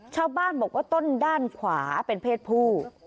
ชาวบ้านบอกว่าต้นด้านขวาเป็นเพศผู้